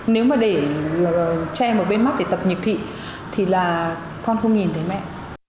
nếu mà để che một bên mắt để tập nhược thị thì là con không nhìn thấy mẹ